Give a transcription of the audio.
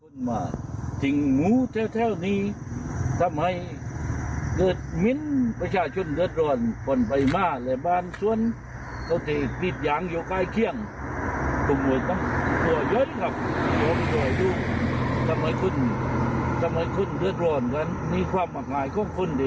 อย่าให้มันเกิดแบบนี้ขึ้นก่อน